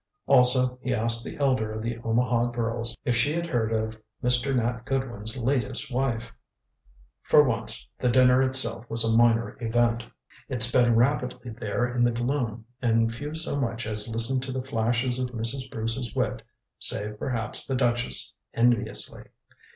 Also, he asked the elder of the Omaha girls if she had heard of Mr. Nat Goodwin's latest wife. For once the dinner itself was a minor event. It sped rapidly there in the gloom, and few so much as listened to the flashes of Mrs. Bruce's wit save perhaps the duchess, enviously.